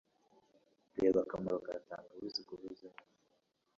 Reba akamaro ka tangawizi ku buzima